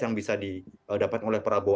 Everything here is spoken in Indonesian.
yang bisa didapat oleh prabowo